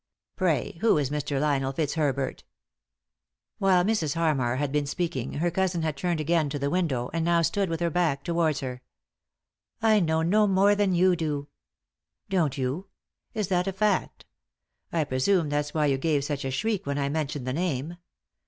Pray, who is Mr. Lionel Fitzherbert ?" 146 ;«y?e.c.V GOOglC THE INTERRUPTED KISS While Mrs. Harmar had been speaking her cousin had turned again to the window, and now stood with her back towards her. " I know no more than you do." " Don't you ? Is that a feet ? I presume that's why you gave such a shriek when I mentioned the name.